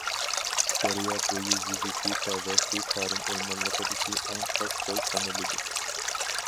دەريا بويى يېزىسى تەۋەسى تارىم ئويمانلىقىدىكى ئەڭ پەس جاي سانىلىدۇ.